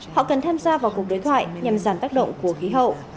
họ cần tham gia vào cuộc đối thoại nhằm giảm tác động của khí hậu